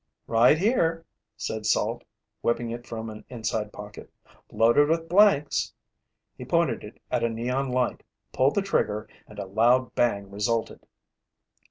"Right here," said Salt, whipping it from an inside pocket. "Loaded with blanks." He pointed it at a neon light, pulled the trigger and a loud bang resulted.